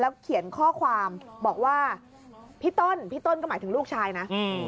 แล้วเขียนข้อความบอกว่าพี่ต้นก็หมายถึงลูกชายนะ